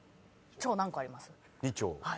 鳥何個あります？